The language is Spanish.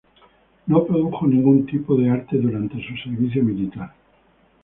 No produjo ningún tipo de arte durante su servicio militar.